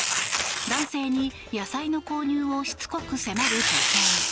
男性に野菜の購入をしつこく迫る女性。